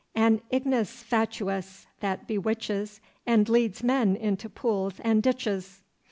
"An ignis fatuus that bewitches, And leads men into pools and ditches."